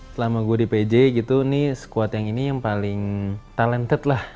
selama gue di pj gitu ini squad yang ini yang paling talented lah